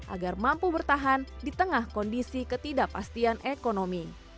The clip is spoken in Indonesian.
agar mampu bertahan di tengah kondisi ketidakpastian ekonomi